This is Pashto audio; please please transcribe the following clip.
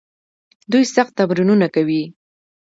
دوی سخت تمرینونه کوي.